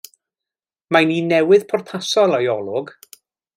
Mae'n un newydd pwrpasol o'i olwg.